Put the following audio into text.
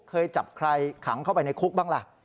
เคยจับใครขังเข้าไปในคุกบ้างล่ะ